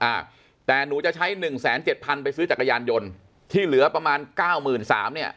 อ่าแต่หนูจะใช้หนึ่งแสนเจ็ดพันไปซื้อจักรยานยนต์ที่เหลือประมาณเก้าหมื่นสามเนี้ย